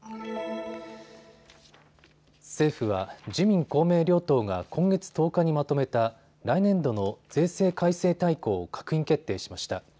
政府は自民公明両党が今月１０日にまとめた来年度の税制改正大綱を閣議決定しました。